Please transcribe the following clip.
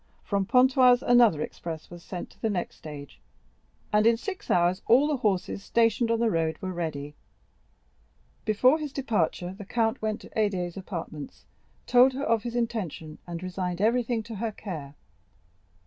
From Pontoise another express was sent to the next stage, and in six hours all the horses stationed on the road were ready. Before his departure, the count went to Haydée's apartments, told her his intention, and resigned everything to her care.